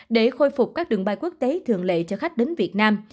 để khôi phục các đường bay quốc tế thường lệ cho khách đến việt nam